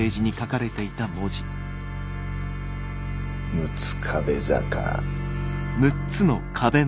「六壁坂」。